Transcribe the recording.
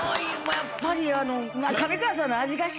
やっぱり。